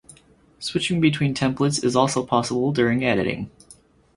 Switching between templates is also possible during editing.